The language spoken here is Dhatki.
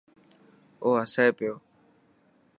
او هسي پيو.